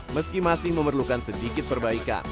meski masih memerlukan sedikit perbaikan